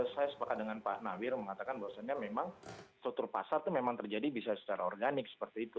saya sepakat dengan pak nawir mengatakan bahwasannya memang struktur pasar itu memang terjadi bisa secara organik seperti itu